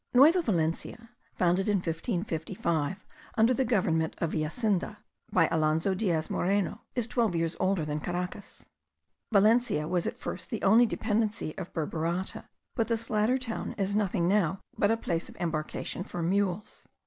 Nueva Valencia, founded in 1555 under the government of Villacinda, by Alonzo Diaz Moreno, is twelve years older than Caracas. Valencia was at first only a dependency of Burburata; but this latter town is nothing now but a place of embarkation for mules.